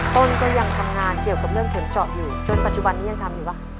ก็ยังทำงานเกี่ยวกับเรื่องเข็มเจาะอยู่จนปัจจุบันนี้ยังทำอยู่ป่ะ